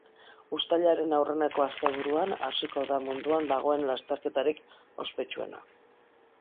Uztailaren aurreneko asteburuan hasiko da munduan dagoen lasterketarik ospetsuena.